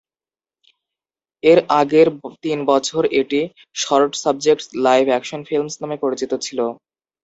এর আগের তিন বছর এটি "short subjects, live action films" নামে পরিচিত ছিল।